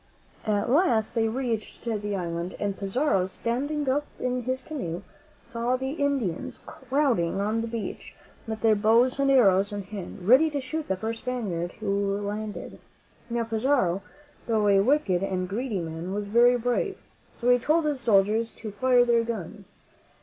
At last they reached the island, and Pizarro, standing up in his canoe, saw the Indians crowd ing on the beach, with their bows and arrows in hand, ready to shoot the first Spaniard who landed. Now, Pizarro, though a wicked and greedy man, was very brave; so he told his soldiers to fire their guns.